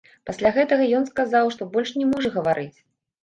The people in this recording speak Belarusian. Пасля гэтага ён сказаў, што больш не можа гаварыць.